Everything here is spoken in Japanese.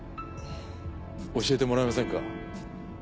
教えてもらえませんか。